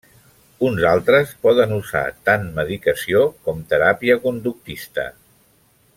Uns altres poden usar tant medicació com teràpia conductista.